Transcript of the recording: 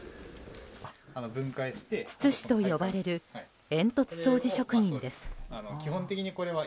筒師と呼ばれる煙突掃除職人です。